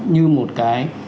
như một cái